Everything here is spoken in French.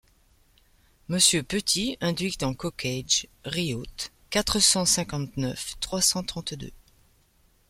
Monsieur Petit induict en cocquaige Riault quatre cent cinquante-neuf trois cent trente-deux.